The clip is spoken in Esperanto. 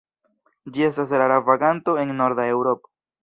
Ĝi estas rara vaganto en Norda Eŭropo.